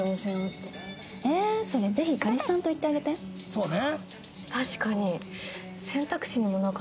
そうね。